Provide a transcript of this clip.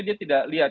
dia tidak lihat